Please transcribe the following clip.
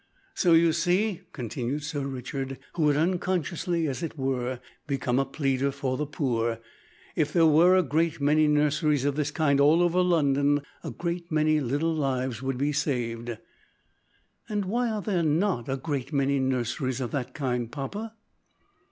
"So you see," continued Sir Richard, who had unconsciously, as it were, become a pleader for the poor, "if there were a great many nurseries of this kind all over London, a great many little lives would be saved." "And why are there not a great many nurseries of that kind, papa?"